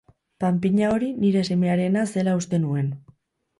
Panpina hori nire semearena zela uste nuen.